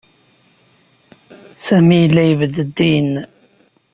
Sami yella yebded din.